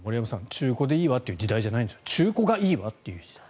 中古でいいわという時代じゃなくて中古がいいわという時代。